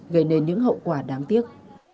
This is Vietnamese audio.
gây nên những hậu quả đáng tiếc